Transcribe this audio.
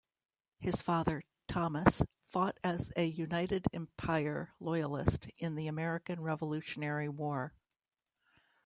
His father, Thomas, fought as a United Empire Loyalist in the American Revolutionary War.